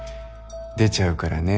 出ちゃうからね